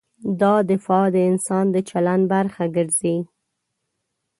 دا دفاع د انسان د چلند برخه ګرځي.